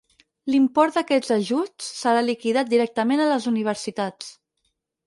L'import d'aquests ajuts serà liquidat directament a les universitats.